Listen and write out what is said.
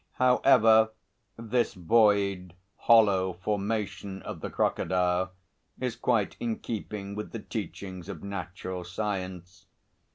However, this void, hollow formation of the crocodile is quite in keeping with the teachings of natural science.